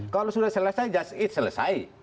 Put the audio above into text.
kalau sudah selesai just it selesai